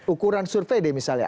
ukuran survei deh misalnya